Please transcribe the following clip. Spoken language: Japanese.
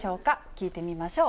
聞いてみましょう。